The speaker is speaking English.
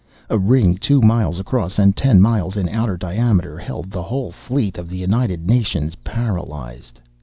A ring two miles across and ten miles in outer diameter held the whole fleet of the United Nations paralyzed.